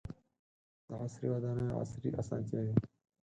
• د عصري ودانیو عصري اسانتیاوې.